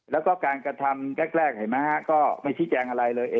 แล้วก็การกระทำแกล้งไม่ใช่แจ้งอะไรเลย